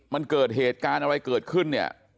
มันเกิดเหตุการณ์อะไรเกิดขึ้นเนี่ย